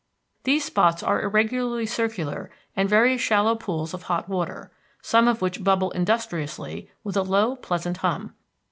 These spots are irregularly circular and very shallow pools of hot water, some of which bubble industriously with a low, pleasant hum.